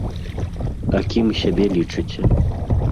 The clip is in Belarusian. А кім сябе лічыце?